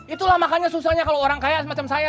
itulah makanya susahnya kalau orang kaya semacam saya